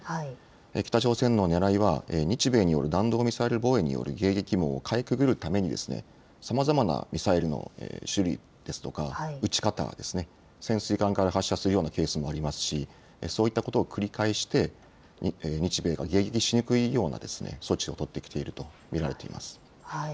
北朝鮮のねらいは日米による弾道ミサイル防衛による迎撃網をかいくぐるためにさまざまなミサイルの種類ですとか撃ち方、潜水艦から発射するようなケースもありますし、そういったことを繰り返して日米が迎撃しにくいような措置を取ってきていると見られています。